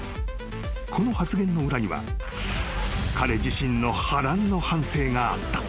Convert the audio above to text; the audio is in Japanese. ［この発言の裏には彼自身の波乱の半生があった］